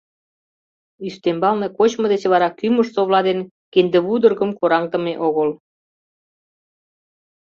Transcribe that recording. Ӱстембалне кочмо деч вара кӱмыж-совла ден киндывудыргым кораҥдыме огыл.